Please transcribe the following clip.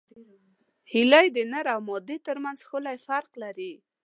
هیلۍ د نر او مادې ترمنځ ښکلی فرق لري